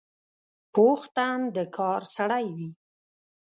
پوخ تن د کار سړی وي